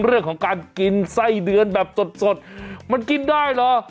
เรื่องของการกินไส้เดือนแบบสดมันกินได้เหรอ